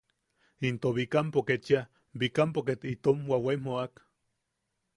Into Bikampo, kechia Bikampo ket itom wawaim jo’ak.